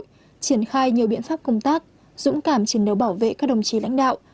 triển khai nhiều biện pháp công tác dũng cảm chiến đấu bảo vệ các đồng chí lãnh đạo